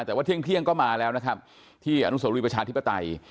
แต่ว่าเที่ยงก็มาแล้วนะครับที่อนุโสรีประชาธิปไตย